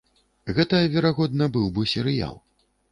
Гэта верагодна быў бы серыял.